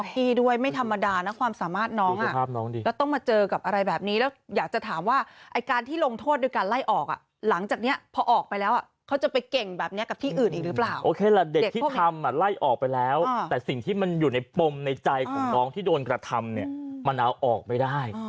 ที่โดนกระทำเนี่ยมันเอาออกไปได้